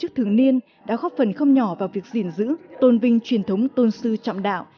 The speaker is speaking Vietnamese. hội chữ thường niên đã góp phần không nhỏ vào việc diễn giữ tôn vinh truyền thống tôn sư trọng đạo